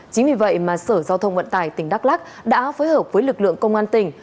chính vì vậy mà sở giao thông vận tải tỉnh đắk lắc đã phối hợp với lực lượng công an tỉnh